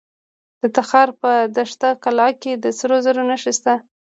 د تخار په دشت قلعه کې د سرو زرو نښې شته.